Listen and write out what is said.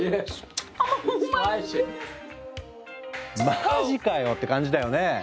マジかよ！って感じだよね。